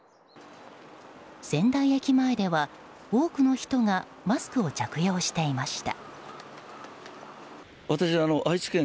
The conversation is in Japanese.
仙台駅前では、多くの人がマスクを着用していました。